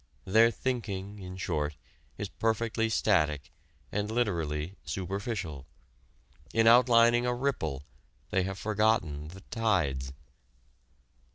Their thinking, in short, is perfectly static and literally superficial. In outlining a ripple they have forgotten the tides.